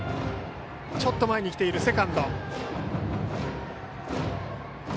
ちょっと前に来ているセカンド。